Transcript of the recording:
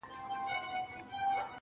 o زه وايم دا.